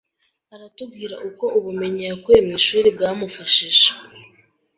aratubwira uko Ubumenyi yakuye mu ishuri bwamufashije